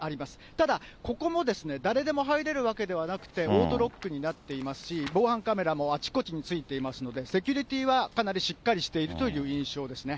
ただ、ここも誰でも入れるわけではなくて、オートロックになっていますし、防犯カメラもあちこちに付いていますので、セキュリティーはかなりしっかりしているという印象ですね。